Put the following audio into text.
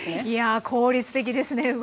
いや効率的ですね